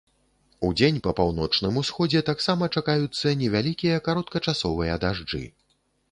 Удзень па паўночным усходзе таксама чакаюцца невялікія кароткачасовыя дажджы.